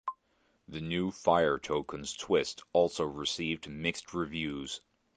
The new Fire Tokens twist also received mixed reviews.